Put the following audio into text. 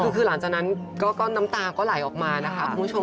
คือหลังจากนั้นก็น้ำตาก็ไหลออกมานะคะคุณผู้ชม